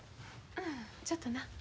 うんちょっとな。